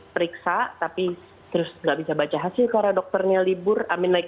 periksa tapi terus gak bisa baca hasil karena dokternya libur